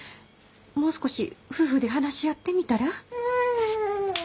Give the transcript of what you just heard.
もう少し夫婦で話し合ってみたら？